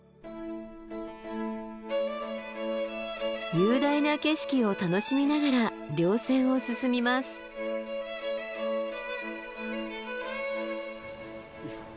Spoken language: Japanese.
雄大な景色を楽しみながら稜線を進みます。